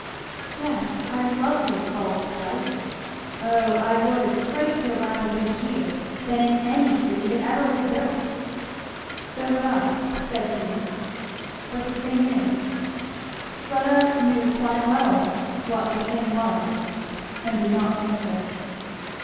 "Yes I love these fall skies. Oh I would a great deal rather be here than in any city that ever was built!" "So would I," said Hugh. "But the thing is " Fleda knew quite well what the thing was, and did not answer.